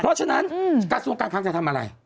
เพราะฉะนั้นการสูงการค้างจะทำอะไร